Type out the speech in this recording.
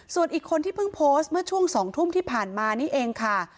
ส่วนอีกคนที่เพิ่งโพสต์เมื่อช่วง๒ทุ่มที่ผ่านมานี่เองค่ะ